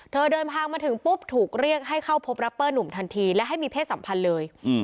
เดินทางมาถึงปุ๊บถูกเรียกให้เข้าพบรัปเปอร์หนุ่มทันทีและให้มีเพศสัมพันธ์เลย